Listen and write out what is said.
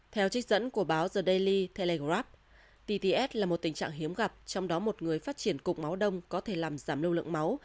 theo trích dẫn của báo the daily telegrap tts là một tình trạng hiếm gặp trong đó một người phát triển cục máu đông có thể làm giảm lưu lượng máu